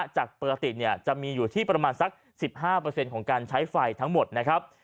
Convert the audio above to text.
จากปกติจะมีอยู่ที่ประมาณสัก๑๕ของการใช้ไฟทั้งหมดนะครับ